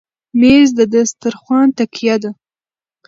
مېز د دسترخوان تکیه ده.